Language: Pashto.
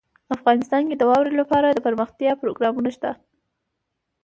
افغانستان کې د واوره لپاره دپرمختیا پروګرامونه شته.